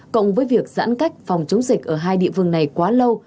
cộng với việc giãn cách phòng chống dịch ở hai địa phương này quá lâu